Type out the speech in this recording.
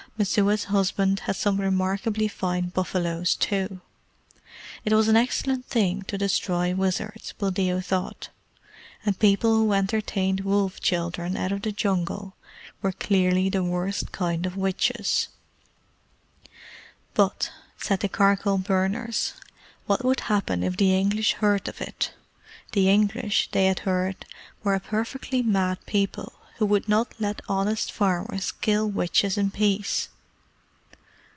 Messua's husband had some remarkably fine buffaloes, too. It was an excellent thing to destroy wizards, Buldeo thought; and people who entertained Wolf children out of the Jungle were clearly the worst kind of witches. But, said the charcoal burners, what would happen if the English heard of it? The English, they had heard, were a perfectly mad people, who would not let honest farmers kill witches in peace.